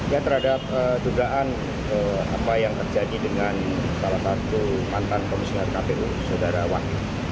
ya terhadap dugaan apa yang terjadi dengan salah satu mantan komisioner kpu saudara wahyu